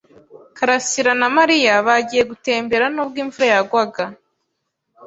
Karasirana Mariya bagiye gutembera nubwo imvura yagwaga.